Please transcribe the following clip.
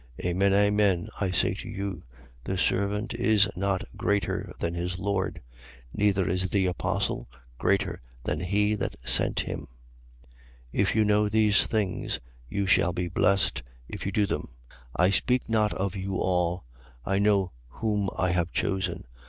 13:16. Amen, amen, I say to you: The servant is not greater than his lord: neither is the apostle greater than he that sent him. 13:17. If you know these things, you shall be blessed if you do them. 13:18. I speak not of you all: I know whom I have chosen.